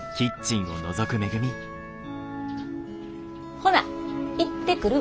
ほな行ってくるわ。